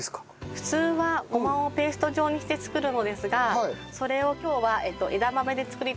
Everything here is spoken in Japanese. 普通はごまをペースト状にして作るのですがそれを今日は枝豆で作りたいと思います。